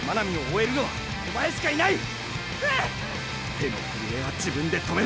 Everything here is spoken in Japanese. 手の震えは自分で止めろ。